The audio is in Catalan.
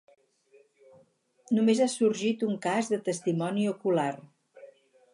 Només ha sorgit un cas de testimoni ocular.